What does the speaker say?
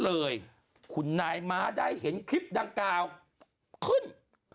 ลีน่าจังลีน่าจังลีน่าจังลีน่าจัง